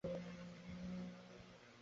কিন্তু আমাদিগকে কাজ আরম্ভ করিয়া দিতে হইবে।